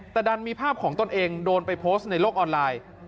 แต่ดันมีภาพของตนเองโดนไปโพสต์ในโลกออนไลน์